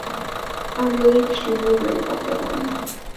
I’m really extremely grateful for them.